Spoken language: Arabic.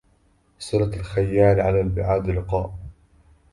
صلة الخيال على البعاد لقاء